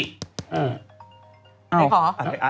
ใครขอ